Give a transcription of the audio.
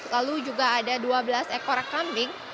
lalu juga ada dua belas ekor kambing